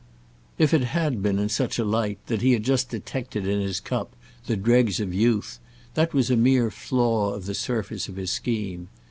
If it had been in such a light that he had just detected in his cup the dregs of youth, that was a mere flaw of the surface of his scheme.